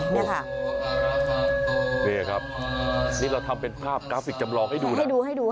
นี่ค่ะครับนี่เราทำเป็นภาพกราฟิกจำลองให้ดูนะ